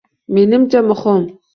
Menimcha, muhim.